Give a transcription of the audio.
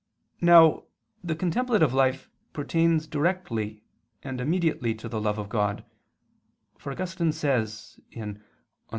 Now the contemplative life pertains directly and immediately to the love of God; for Augustine says (De Civ.